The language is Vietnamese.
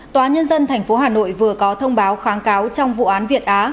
tòa nhân dân tp hà nội vừa có thông báo kháng cáo trong vụ án việt á